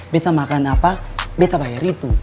be makan apa be bayar itu